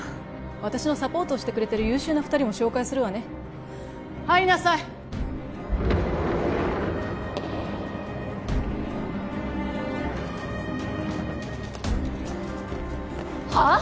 私のサポートをしてくれてる優秀な２人も紹介するわね入りなさいはあ！？